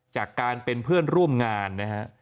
จากการเป็นเพื่อนร่วมงานนะฮะ